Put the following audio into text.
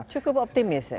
cukup optimis ya